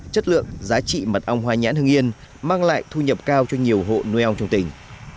chất lượng giá trị mật ong hoa nhãn hưng yên mang lại thu nhập cao cho nhiều hộ nuôi ong trong tỉnh